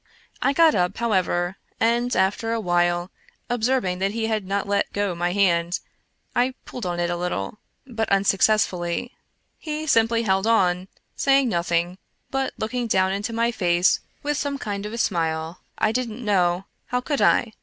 I got up, however, and after a while, observing that he had not let go my hand, I pulled on it a little, but unsuccess fully. He simply held on, saying nothing, but looking down into my face with some kind of a smile — I didn't know — how could I